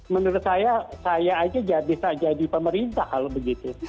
menurut saya saya aja bisa jadi pemerintah kalau begitu